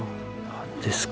何ですか？